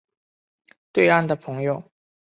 对岸的朋友